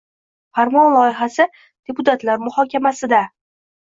Farmon loyihasi deputatlar muhokamasida